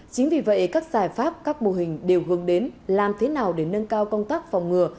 chính vì vậy các giải pháp các mô hình đều hướng đến làm thế nào để nâng cao công tác phòng ngừa